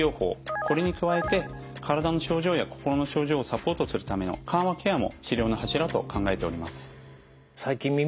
これに加えて体の症状や心の症状をサポートするための緩和ケアも治療の柱と考えております。